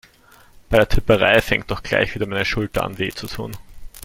Bei der Tipperei fängt doch gleich wieder meine Schulter an weh zu tun.